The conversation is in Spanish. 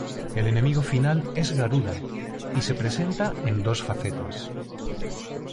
El enemigo final es Garuda y se presenta en dos facetas.